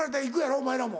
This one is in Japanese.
お前らも。